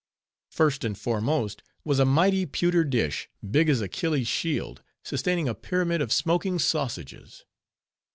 First and foremost, was a mighty pewter dish, big as Achilles' shield, sustaining a pyramid of smoking sausages.